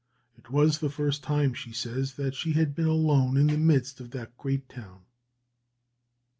It was the first time, she says, that she had been alone in the midst of that great town.